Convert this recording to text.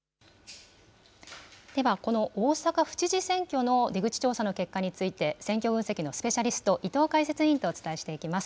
では、この大阪府知事選挙の出口調査の結果について、選挙分析のスペシャリスト、伊藤解説委員とお伝えしていきます。